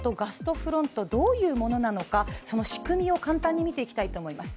フロントどういうものなのか、その仕組みを簡単に見ていきたいと思います。